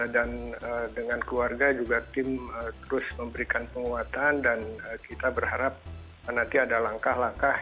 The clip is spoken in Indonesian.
dengan keluarga juga tim terus memberikan penguatan dan kita berharap nanti ada langkah langkah